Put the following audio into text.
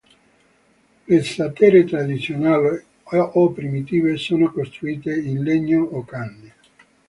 Le zattere tradizionali o primitive sono costruite in legno o canne.